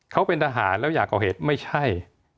เขาเป็นทหารแล้วอยากก่อเหตุไม่ใช่